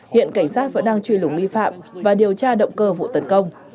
hiện cảnh sát vẫn đang truy lùng nghi phạm và điều tra động cơ vụ tấn công